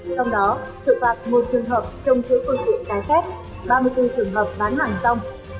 trong đó sự phạt một trường hợp trong thứ khuôn kiện trái phép ba mươi bốn trường hợp bán hàng xong